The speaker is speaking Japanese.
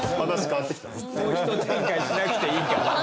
もうひと展開しなくていいかな。